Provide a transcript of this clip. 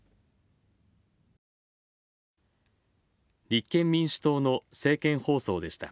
立憲民主党の政見放送でした。